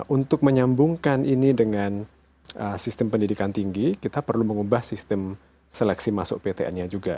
untuk menyambungkan ini dengan sistem pendidikan tinggi kita perlu mengubah sistem seleksi masuk ptn nya juga